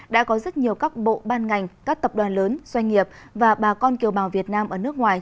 đã có rất nhiều các bộ ban ngành các tập đoàn lớn doanh nghiệp và bà con kiều bào việt nam ở nước ngoài